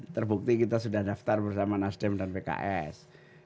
terbukti kita sudah daftar bersama nasdem dan pks